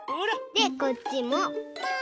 でこっちもポン！